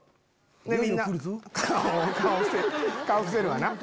みんな顔伏せるわな。